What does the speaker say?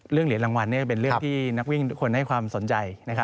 เรื่องเหลียนรางวัลเป็นเรื่องที่นักวิ่งให้ความสนใจ